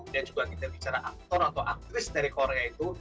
dan juga kita bicara aktor atau aktris dari korea itu